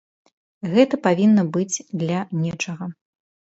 Гэта павінна быць для нечага.